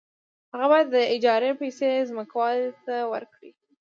هغه باید د اجارې پیسې ځمکوال ته ورکړي